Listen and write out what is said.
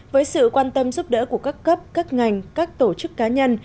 với sự quan tâm giúp đỡ của các cấp các ngành các tổ chức cá nhân